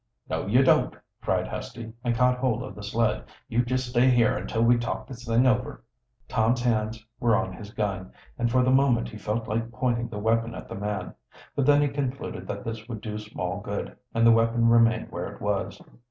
"No, you don't!" cried Husty, and caught hold of the sled. "You just stay here until we talk this thing over." Tom's hands were on his gun, and for the moment he felt like pointing the weapon at the man. But then he concluded that this would do small good, and the weapon remained where it was.